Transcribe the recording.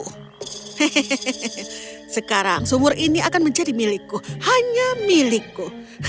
hehehe sekarang sumur ini akan menjadi milikku hanya milikku